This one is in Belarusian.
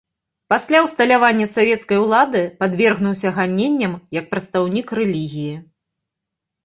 Пасля ўсталявання савецкай улады падвергнуўся ганенням як прадстаўнік рэлігіі.